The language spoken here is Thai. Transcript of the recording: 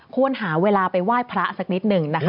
ควรหาเวลาไปไหว้พระสักนิดหนึ่งนะคะ